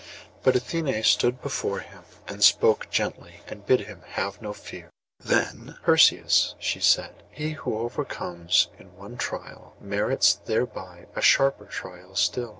But Athené stood before him and spoke gently, and bid him have no fear. Then— 'Perseus,' she said, 'he who overcomes in one trial merits thereby a sharper trial still.